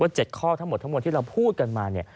๗ข้อทั้งหมดทั้งหมดที่เราพูดกันมาเนี่ย